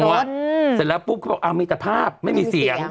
เสร็จแล้วปุ๊บเขาบอกมีแต่ภาพไม่มีเสียง